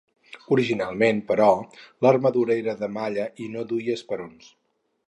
Originalment, però l’armadura era de malla i no duia esperons.